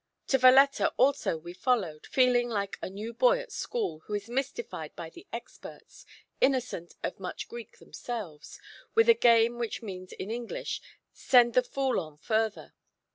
To Valetta also we followed, feeling like a new boy at school who is mystified by the experts innocent of much Greek themselves with a game which means in English, "send the fool on further."